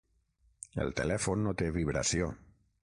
El telèfon no té vibració.